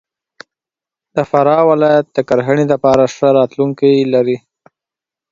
د فراه ولایت د کرهنې دپاره ښه راتلونکی لري.